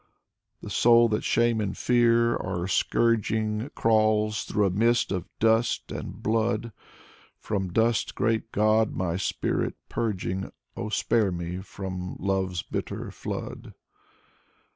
The soul that shame and fear are scourging Crawls through a mist of dust and blood. From dust, great God, my spirit purging. Oh, spare me from love's bitter flood